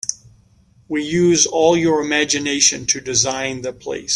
We used all your imgination to design the place.